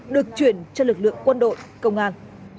được chuyển cho lực lượng quân đội công an